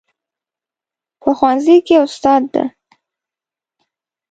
په ښوونځي کې استاد ده